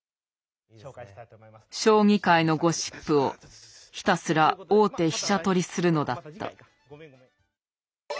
将棋界のゴシップをひたすら王手飛車取りするのだった。